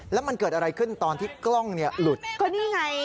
แล้วมันเกิดอะไรขึ้นตอนที่กล้องเนี่ยหลุดก็นี่ไง